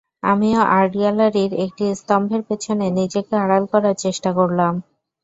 আমিও আর্ট গ্যালারির একটি স্তম্ভের পেছনে নিজেকে আড়াল করার চেষ্টা করলাম।